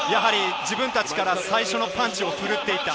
自分たちから最初のパンチを振るっていった。